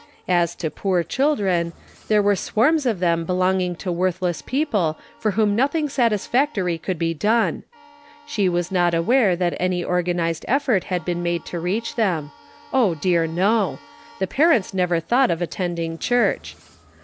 As to poo? children, there were swarms of them belonging to worthless people for whom nothing satisfactory could be done. She was not aware that any organized effort had been made to reach them. Oh, dear, no I Interrogation Points. 87 The parents never thought of attending church.